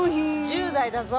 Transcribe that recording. １０代だぞ！